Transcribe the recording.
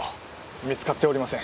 見つかっておりません。